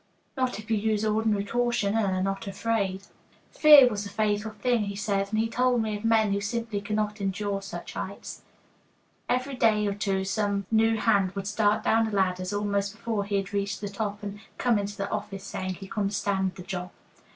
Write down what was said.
"Not if you use ordinary caution and are not afraid." Fear was the fatal thing, he said, and he told me of men who simply cannot endure such heights. Every day or two some new hand would start down the ladders almost before he had reached the top, and come into the office saying he couldn't stand the job.